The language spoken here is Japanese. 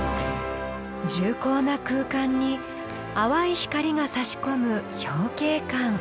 重厚な空間に淡い光がさし込む表慶館。